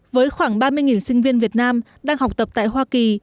với khoảng ba mươi sinh viên việt nam đang học tập tại hoa kỳ